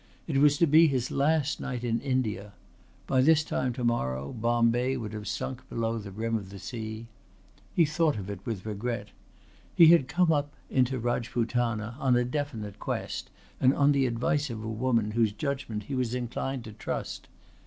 It was to be his last night in India. By this time to morrow Bombay would have sunk below the rim of the sea. He thought of it with regret. He had come up into Rajputana on a definite quest and on the advice of a woman whose judgment he was inclined to trust.